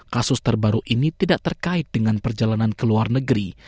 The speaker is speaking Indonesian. kasus terbaru ini tidak terkait dengan perjalanan ke luar negeri